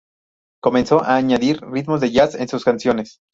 Comenzó a añadir ritmos de "jazz" en sus canciones.